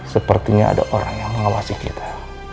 sepertinya ada orang yang mengawasi kita